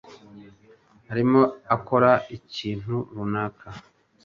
arimo akora ikintu runaka.